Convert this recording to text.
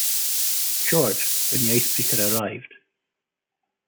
George when the icebreaker arrived.